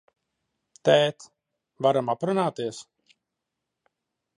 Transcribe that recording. Tēt, varam aprunāties?